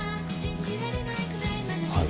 はい。